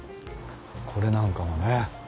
これなんかもね。